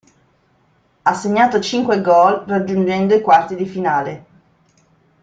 Ha segnato cinque goal raggiungendo i quarti di finale.